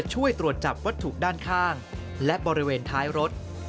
ช่วยตรวจจับวัตถุด้านข้างและบริเวณท้ายรถ